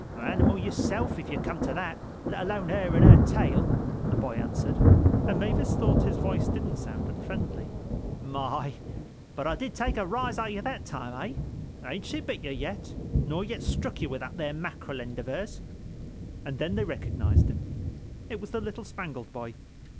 "Animal yourself, if you come to that, let alone her and her tail," the boy answered; and Mavis thought his voice didn't sound unfriendly. "My! But I did take a rise out of you that time, eh? Ain't she bit you yet, nor yet strook you with that there mackerel end of hers?" And then they recognized him. It was the little Spangled Boy.